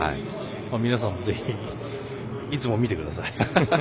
皆さんもぜひ、いつも見てください。